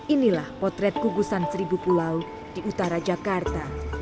inilah potret kugusan seribu pulau di utara jakarta